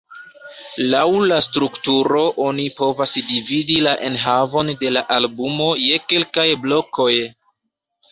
Laŭ la strukturo oni povas dividi la enhavon de la albumo je kelkaj blokoj.